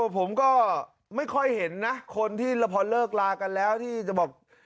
ผมก็ไม่ค่อยเห็นนะคนที่พอเลิกลากันแล้วที่จะบอก